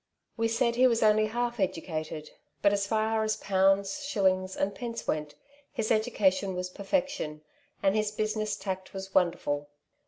We said he was only half educated; but as far as pounds, shillings, and pence went, his education was per fection, and his business tact was wonderful.